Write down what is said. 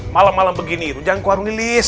malem malem begini itu jangan ke warung lilis